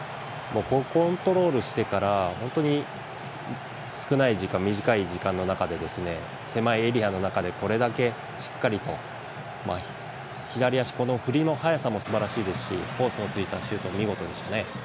コントロールしてから本当に少ない時間短い時間の中、狭いエリアの中でこれだけしっかりと左足の振りの速さもすばらしいしコースを突いたシュート、見事でしたね。